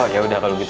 oh ya udah kalau gitu